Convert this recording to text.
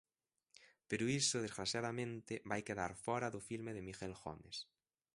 Pero iso, desgraciadamente, vai quedar fóra do filme de Miguel Gomes.